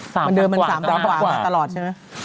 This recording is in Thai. มันเดินมัน๓ดังกว่าตลอดใช่ไหม